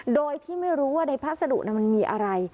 โดยที่ไม่รู้ว่าในพัสดุมันมีอะไร